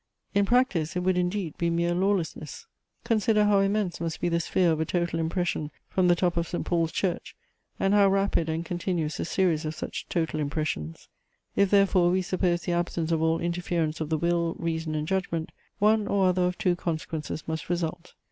In practice it would indeed be mere lawlessness. Consider, how immense must be the sphere of a total impression from the top of St. Paul's church; and how rapid and continuous the series of such total impressions. If, therefore, we suppose the absence of all interference of the will, reason, and judgment, one or other of two consequences must result.